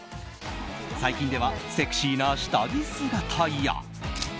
最近ではセクシーな下着姿や。